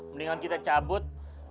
mendingan kita cabut